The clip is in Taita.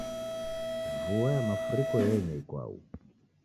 Vua ya mafuriko yenya ikwau.